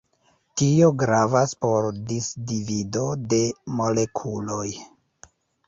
Tio gravas por disdivido de molekuloj.